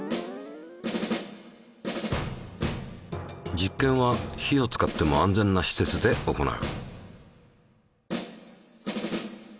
実験は火を使っても安全な施設で行う。